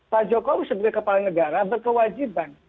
pak jokowi sebagai kepala negara berkewajiban